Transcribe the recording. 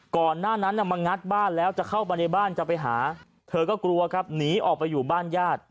ก่อนหน้านั้นมางัดบ้านแล้วจะเข้ามาในบ้านจะไปหาเธอก็กลัวครับหนีออกไปอยู่บ้านญาติ